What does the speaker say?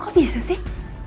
kok bisa sih